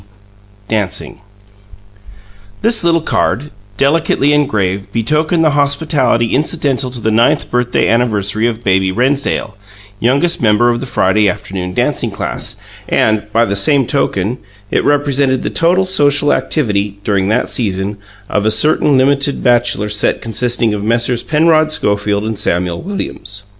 Dancing | This little card, delicately engraved, betokened the hospitality incidental to the ninth birthday anniversary of Baby Rennsdale, youngest member of the Friday Afternoon Dancing Class, and, by the same token, it represented the total social activity (during that season) of a certain limited bachelor set consisting of Messrs. Penrod Schofield and Samuel Williams.